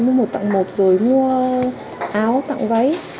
mua một tặng một rồi mua áo tặng váy